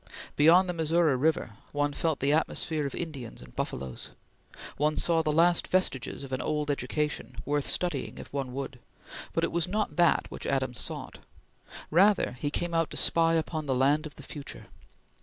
Beyond the Missouri River, one felt the atmosphere of Indians and buffaloes. One saw the last vestiges of an old education, worth studying if one would; but it was not that which Adams sought; rather, he came out to spy upon the land of the future.